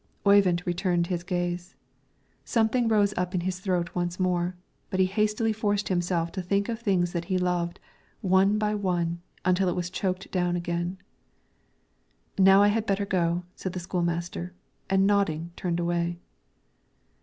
Oyvind returned his gaze. Something rose up in his throat once more, but he hastily forced himself to think of things that he loved, one by one, until it was choked down again. "Now I had better go," said the school master, and nodding, turned away.